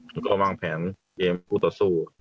แล้วก็วางแผนเกมคู่ต่อสู้